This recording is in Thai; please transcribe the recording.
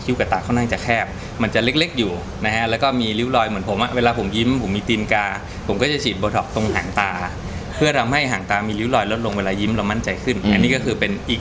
ดีไซน์ให้มันดูหมอไล่เย็บยังไงให้ถานปิกมันแคบครับ